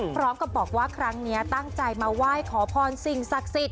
พร้อมกับบอกว่าครั้งนี้ตั้งใจมาไหว้ขอพรสิ่งศักดิ์สิทธิ